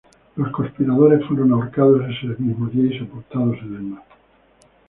Los conspiradores fueron ahorcados ese mismo día y sepultado en el mar.